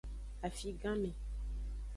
Afiganme.